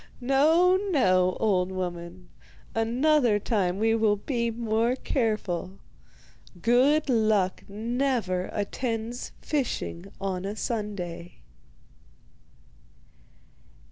No, no, old woman, another time we will be more careful. Good luck never attends fishing on a Sunday.